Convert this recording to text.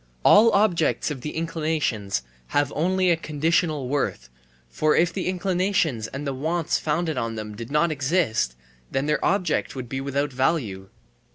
All objects of the inclinations have only a conditional worth, for if the inclinations and the wants founded on them did not exist, then their object would be without value.